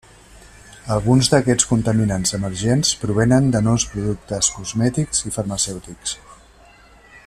Alguns d'aquests contaminants emergents provenen de nous productes cosmètics i farmacèutics.